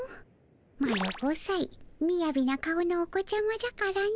マロ５さいみやびな顔のお子ちゃまじゃからの。